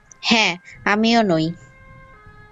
হ্যাঁ, আমিও নই।